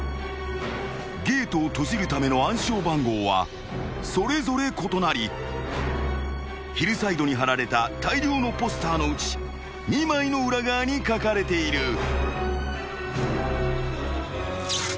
［ゲートを閉じるための暗証番号はそれぞれ異なりヒルサイドに張られた大量のポスターのうち２枚の裏側に書かれている］